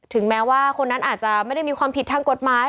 แม้ว่าคนนั้นอาจจะไม่ได้มีความผิดทางกฎหมาย